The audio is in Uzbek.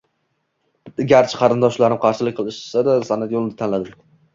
garchi qarindoshlarim qarshilik qilishsa-da, san’at yo‘lini tanladim.